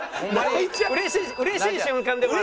うれしい瞬間でもある。